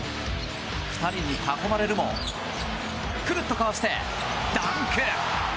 ２人に囲まれるもくるっとかわして、ダンク！